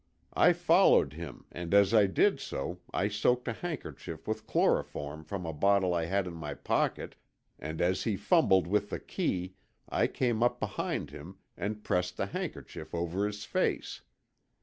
I followed him and as I did so I soaked a handkerchief with chloroform from a bottle I had in my pocket, and as he fumbled with the key I came up behind him and pressed the handkerchief over his face.